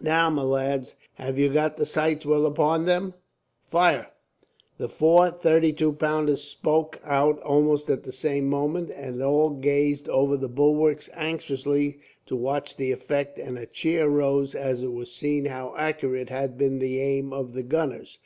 "Now, my lads, have you got the sights well upon them? Fire!" The four thirty two pounders spoke out almost at the same moment, and all gazed over the bulwarks anxiously to watch the effect, and a cheer arose as it was seen how accurate had been the aim of the gunners.